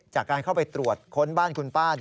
จากการเข้าไปตรวจค้นบ้านคุณป้า